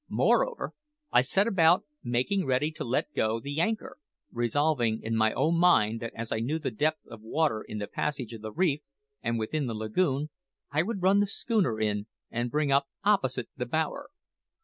Moreover, I set about making ready to let go the anchor, resolving in my own mind that as I knew the depth of water in the passage of the reef and within the lagoon, I would run the schooner in and bring up opposite the bower.